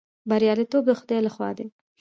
بریالیتوب د خدای لخوا دی